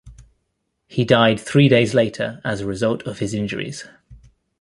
He died three days later as a result of his injuries.